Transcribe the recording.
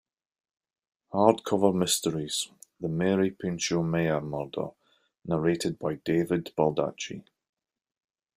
"Hardcover Mysteries": "The Mary Pinchot Meyer Murder", narrated by David Baldacci.